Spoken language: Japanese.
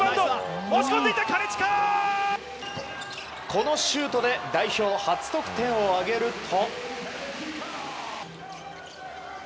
このシュートで代表初得点を挙げると。